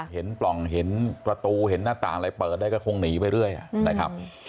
เห็นปล่องไปเปิดนะครับ